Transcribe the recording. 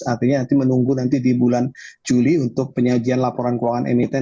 artinya nanti menunggu nanti di bulan juli untuk penyajian laporan keuangan emiten